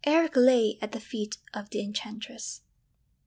Eric lay at the feet of the enchantress.